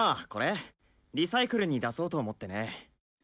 リサイクルに出そうと思ってね。